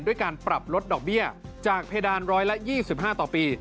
ด้วยการปรับลดดอกเบี้ยจากเพดาน๑๒๕ต่อปี